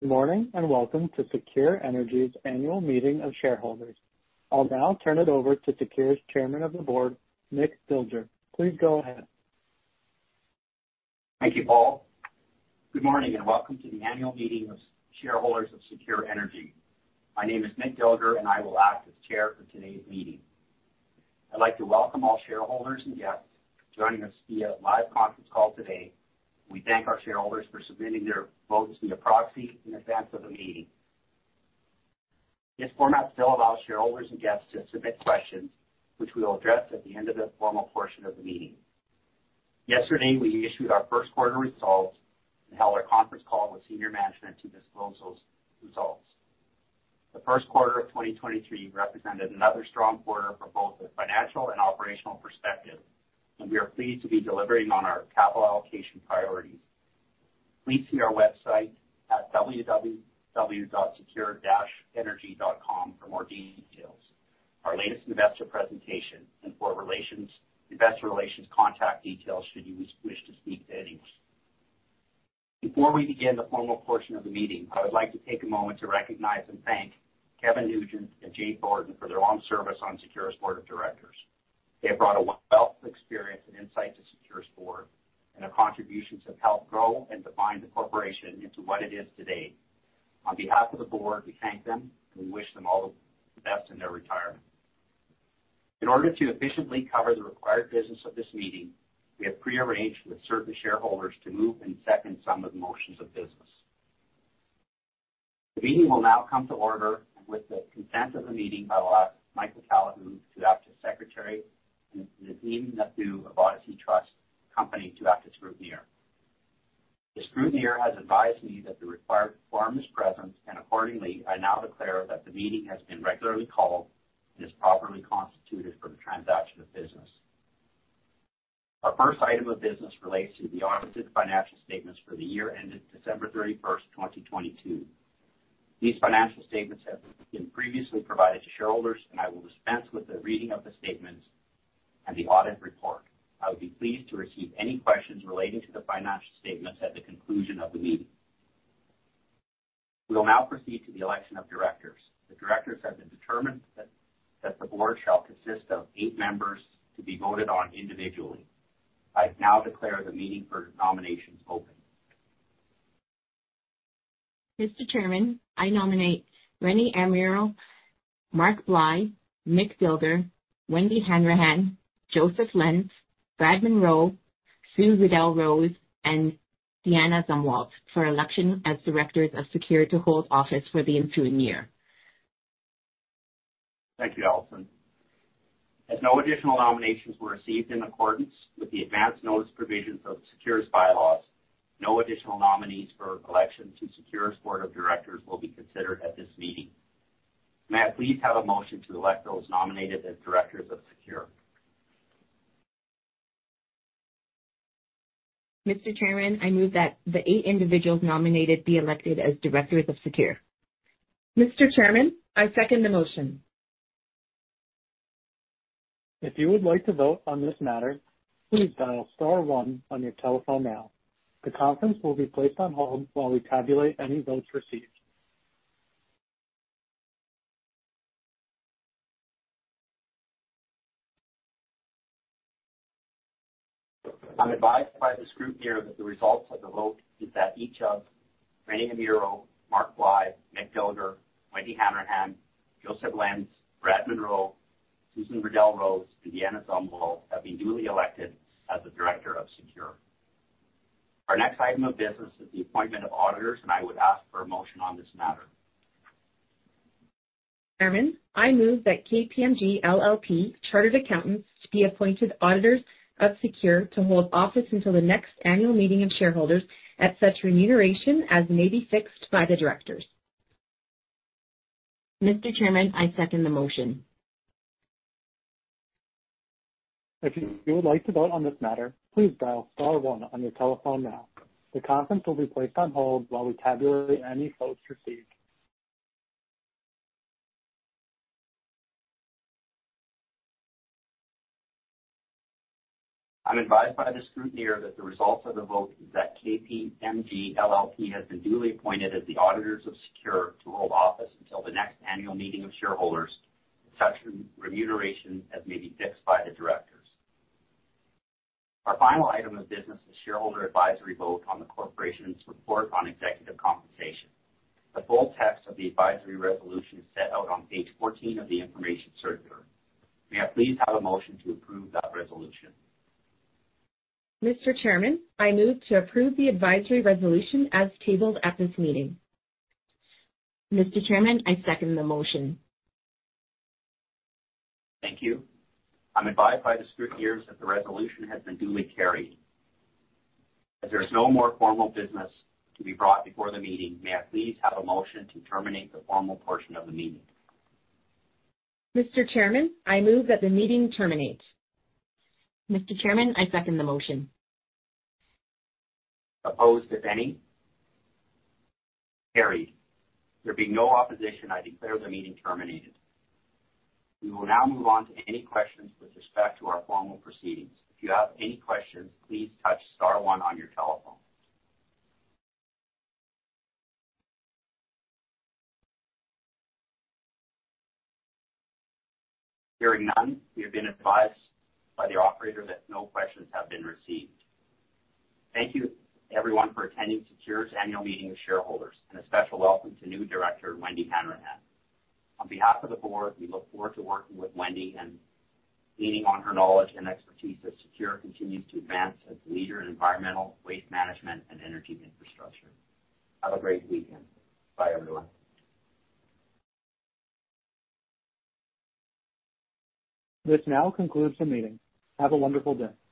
Good morning, and welcome to SECURE's annual meeting of shareholders. I'll now turn it over to SECURE's Chairman of the Board, Mick Dilger. Please go ahead. Thank you, Paul. Good morning, and welcome to the annual meeting of shareholders of SECURE Energy. My name is Mick Dilger, and I will act as chair for today's meeting. I'd like to welcome all shareholders and guests joining us via live conference call today. We thank our shareholders for submitting their votes via proxy in advance of the meeting. This format still allows shareholders and guests to submit questions which we will address at the end of the formal portion of the meeting. Yesterday, we issued our Q1 results and held our conference call with senior management to disclose those results. The Q1 of 2023 represented another strong quarter from both a financial and operational perspective, and we are pleased to be delivering on our capital allocation priorities. Please see our website at www.secure-energy.com for more details, our latest investor presentation and investor relations contact details should you wish to speak to anyone. Before we begin the formal portion of the meeting, I would like to take a moment to recognize and thank Kevin Nugent and Jay Thornton for their long service on SECURE's board of directors. They have brought a wealth of experience and insight to SECURE's board, and their contributions have helped grow and define the corporation into what it is today. On behalf of the board, we thank them and wish them all the best in their retirement. In order to efficiently cover the required business of this meeting, we have pre-arranged with certain shareholders to move and second some of the motions of business. The meeting will now come to order. With the consent of the meeting, I will ask Michael Callahan to act as Secretary and Nadeem Nathoo of Odyssey Trust Company to act as Scrutineer. The Scrutineer has advised me that the required quorum is present, and accordingly, I now declare that the meeting has been regularly called and is properly constituted for the transaction of business. Our first item of business relates to the audited financial statements for the year ended 31 December, 2022. These financial statements have been previously provided to shareholders. I will dispense with the reading of the statements and the audit report. I would be pleased to receive any questions relating to the financial statements at the conclusion of the meeting. We will now proceed to the election of directors. The directors have been determined that the board shall consist of eight members to be voted on individually. I now declare the meeting for nominations open. Mr. Chairman, I nominate Rene Amirault, Mark Bly, Mick Dilger, Wendy Hanrahan, Joseph Lenz, Brad Munro, Sue Riddell Rose, and Deanna Zumwalt for election as directors of SECURE to hold office for the ensuing year. Thank you, Alison. No additional nominations were received in accordance with the advance notice provisions of SECURE's bylaws, no additional nominees for election to SECURE's board of directors will be considered at this meeting. May I please have a motion to elect those nominated as directors of SECURE? Mr. Chairman, I move that the eight individuals nominated be elected as directors of SECURE. Mr. Chairman, I second the motion. If you would like to vote on this matter, please dial star one on your telephone now. The conference will be placed on hold while we tabulate any votes received. I'm advised by the Scrutineer that the results of the vote is that each of Rene Amirault, Mark Bly, Mick Dilger, Wendy Hanrahan, Joseph Lenz, Brad Munro, Susan Riddell Rose, and Deanna Zumwalt have been duly elected as a director of SECURE. Our next item of business is the appointment of auditors, and I would ask for a motion on this matter. Chairman, I move that KPMG LLP Chartered Accountants to be appointed auditors of SECURE to hold office until the next annual meeting of shareholders at such remuneration as may be fixed by the directors. Mr. Chairman, I second the motion. If you would like to vote on this matter, please dial star one on your telephone now. The conference will be placed on hold while we tabulate any votes received. I'm advised by the Scrutineer that the results of the vote is that KPMG LLP has been duly appointed as the auditors of SECURE to hold office until the next annual meeting of shareholders at such remuneration as may be fixed by the directors. Our final item of business is shareholder advisory vote on the corporation's report on executive compensation. The full text of the advisory resolution is set out on page 14 of the information circular. May I please have a motion to approve that resolution? Mr. Chairman, I move to approve the advisory resolution as tabled at this meeting. Mr. Chairman, I second the motion. Thank you. I'm advised by the scrutineers that the resolution has been duly carried. As there is no more formal business to be brought before the meeting, may I please have a motion to terminate the formal portion of the meeting? Mr. Chairman, I move that the meeting terminate. Mr. Chairman, I second the motion. Opposed, if any? Carried. There being no opposition, I declare the meeting terminated. We will now move on to any questions with respect to our formal proceedings. If you have any questions, please touch star one on your telephone. Hearing none, we have been advised by the operator that no questions have been received. Thank you, everyone, for attending SECURE's annual meeting of shareholders, and a special welcome to new director, Wendy Hanrahan. On behalf of the board, we look forward to working with Wendy and leaning on her knowledge and expertise as SECURE continues to advance as a leader in environmental waste management and energy infrastructure. Have a great weekend. Bye everyone. This now concludes the meeting. Have a wonderful day.